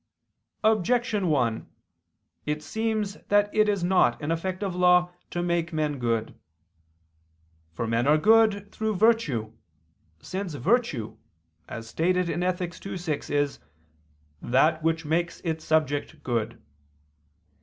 Objection 1: It seems that it is not an effect of law to make men good. For men are good through virtue, since virtue, as stated in Ethic. ii, 6 is "that which makes its subject good."